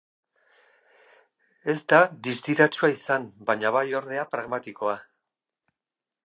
Ez da distiratsua izan, baina bai ordea pragmatikoa.